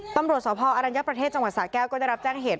ตำรวจสพอรัญญประเทศจังหวัดสาแก้วก็ได้รับแจ้งเหตุ